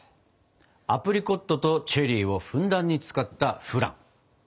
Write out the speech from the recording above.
アプリコットとチェリーをふんだんに使ったフラン。